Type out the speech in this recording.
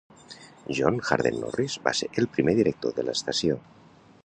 John Harden Norris va ser el primer director de l'estació.